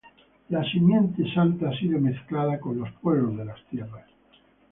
la simiente santa ha sido mezclada con los pueblos de las tierras